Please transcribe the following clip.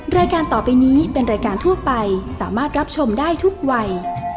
รายการต่อไปนี้เป็นรายการทั่วไปสามารถรับชมได้ทุกวัย